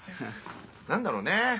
何だろうね？